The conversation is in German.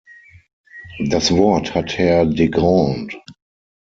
Das Wort hat Herr de Grandes.